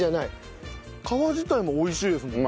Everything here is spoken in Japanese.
皮自体も美味しいですもんね。